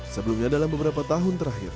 sebelumnya dalam beberapa tahun terakhir